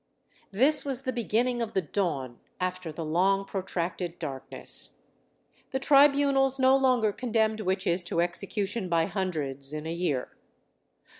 This was the beginning of the dawn after the long protracted darkness. The tribunals no longer condemned witches to execution by hundreds in a year.